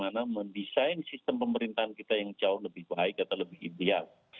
jadi kita harus mencoba bagaimana mendesain sistem pemerintahan kita yang jauh lebih baik atau lebih ideal